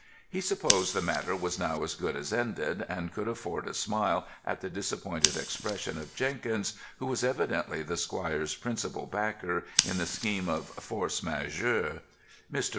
He supposed the matter was now as good as ended, and could afford a smile at the disappointed expression of Jenkins, who was evidently the squire's principal backer in the scheme of force majeure. Mr.